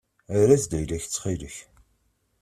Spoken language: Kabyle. Err-as-d ayla-as ttxil-k.